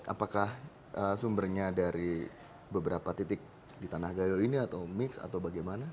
apakah sumbernya dari beberapa titik di tanah gayo ini atau mix atau bagaimana